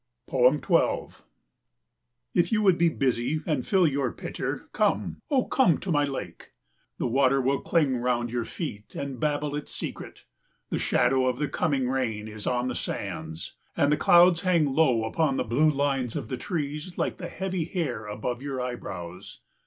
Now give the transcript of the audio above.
12 If you would be busy and fill your pitcher, come, O come to my lake. The water will cling round your feet and babble its secret. The shadow of the coming rain is on the sands, and the clouds hang low upon the blue lines of the trees like the heavy hair above your eyebrows.